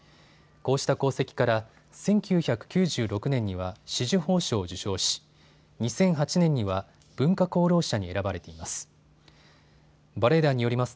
こうした功績から１９９６年には紫綬褒章を受章し、２００８年には文化功労者に選ばれています。